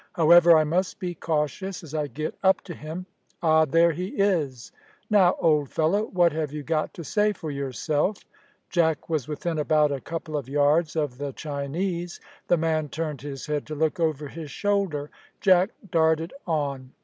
"However, I must be cautious as I get up to him. Ah! there he is. Now, old fellow, what have you got to say for yourself?" Jack was within about a couple of yards of the Chinese. The man turned his head to look over his shoulder. Jack darted on.